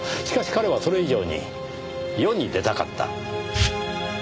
しかし彼はそれ以上に世に出たかった。